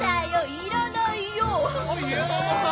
要らないよ！